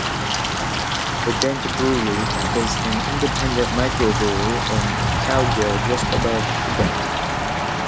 The Dent Brewery is an independent microbrewery in Cowgill, just above Dent.